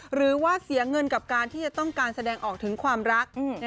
หรือว่าเสียเงินกับการที่จะต้องการแสดงออกถึงความรัก